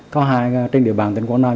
có hai trên địa bàn tỉnh quảng nam